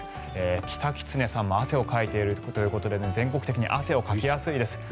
キタキツネさんも汗をかいているということで全国的に汗をかきやすいです。